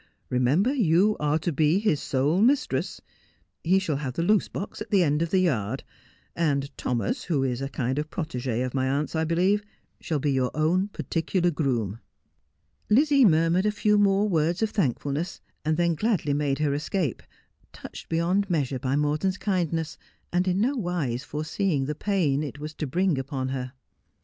Remember you are to be his sole mistress. He shall have the loose box at the end of the yard, and Thomas, who is a kind of protegi of my aunt's, I believe, shall be your own particular groom.' Lizzie murmured a few more words of thankfulness, and then gladly made her escape, touched beyond measure by Mor ton's kindness, and in no wise foreseeing the pain it was to bring upon her.